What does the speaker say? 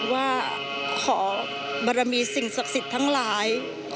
ว่าขอบรมีสิ่งศักดิ์สิทธิ์ทั้งหลาย